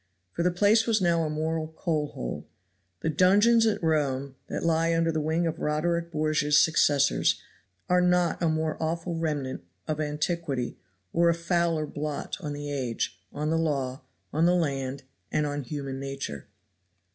For the place was now a moral coal hole. The dungeons at Rome that lie under the wing of Roderick Borgia's successors are not a more awful remnant of antiquity or a fouler blot on the age, on the law, on the land, and on human nature.